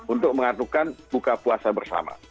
untuk mengatukan buka puasa bersama